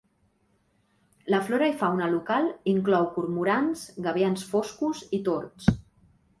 La flora i fauna local inclou cormorans, gavians foscos i tords.